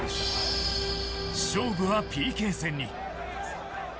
勝負はＰＫ戦に。